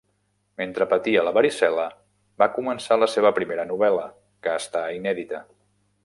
Mentre patia varicel·la, va començar la seva primera novel·la, que està inèdita.